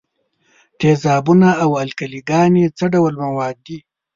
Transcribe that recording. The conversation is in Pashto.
تیزابونه او القلې ګانې څه ډول مواد دي؟